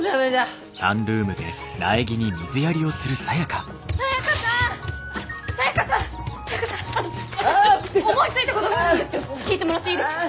私ちょっと思いついたことがあるんですけど聞いてもらっていいですか？